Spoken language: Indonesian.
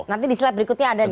nanti di slide berikutnya ada di